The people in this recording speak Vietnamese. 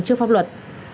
chưa pháp luật